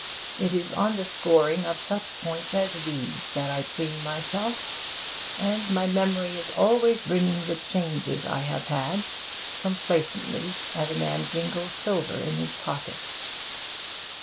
It is on the scoring of such points as these that I preen myself, and my memory is always ringing the 'changes' I have had, complacently, as a man jingles silver in his pocket.